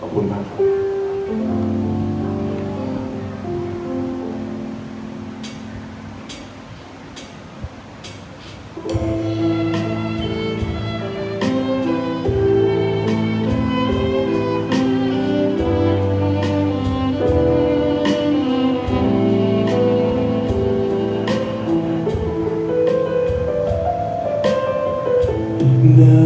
ขอบคุณครับ